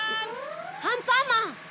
アンパンマン！